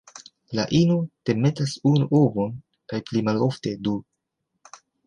La ino demetas unu ovon kaj pli malofte du.